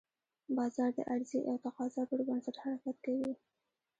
بازار د عرضې او تقاضا پر بنسټ حرکت کوي.